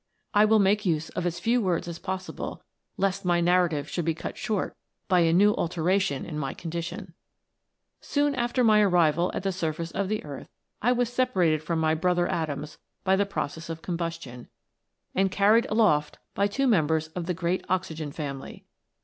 I will make use of as few words as possible, lest my narrative should be cut short by a new alteration in my condition. * Coal. 62 THE LIFE OF AN ATOM. " Soon after my arrival at the surface of the earth, I was separated from my brother atoms by the process of combustion, and carried aloft by two members of the great oxygen family.